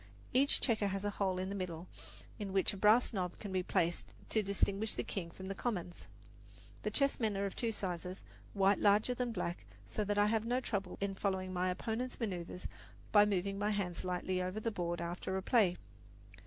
Each checker has a hole in the middle in which a brass knob can be placed to distinguish the king from the commons. The chessmen are of two sizes, the white larger than the black, so that I have no trouble in following my opponent's maneuvers by moving my hands lightly over the board after a play.